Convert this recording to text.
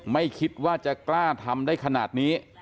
ไม่คิดว่าจะกล้าทำได้ขนาดนี้